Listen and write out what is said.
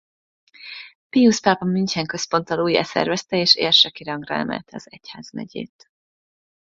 Piusz pápa München központtal újjászervezte és érseki rangra emelte az egyházmegyét.